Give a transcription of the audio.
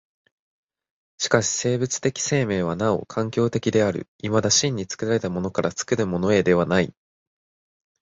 しかし生物的生命はなお環境的である、いまだ真に作られたものから作るものへではない。